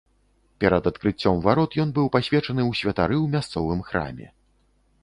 Перад адкрыццём варот ён быў пасвечаны ў святары ў мясцовым храме.